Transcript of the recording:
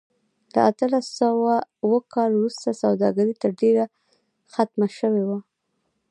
له اتلس سوه اووه کال وروسته سوداګري تر ډېره ختمه شوې وه.